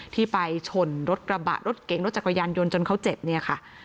ที่ไปชนรถกระบะรถเก๋งรถจักรยานยนต์จนเขาเจ็บเนี่ยค่ะ